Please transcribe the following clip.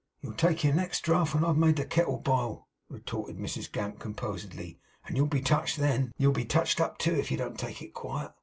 'You'll take your next draught when I've made the kettle bile,' retorted Mrs Gamp, composedly, 'and you'll be touched then. You'll be touched up, too, if you don't take it quiet.